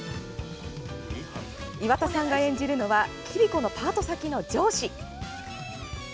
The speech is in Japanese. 岩田さんが演じるのは桐子のパート先の上司。